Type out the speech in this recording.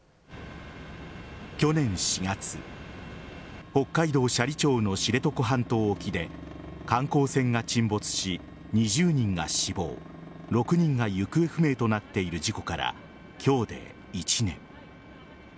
去年４月北海道斜里町の知床半島沖で観光船が沈没し、２０人が死亡６人が行方不明となっている事故から今日で１年。